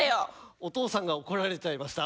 お父さんが怒られちゃいました。